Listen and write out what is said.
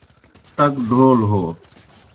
ٹک ڈھول ہو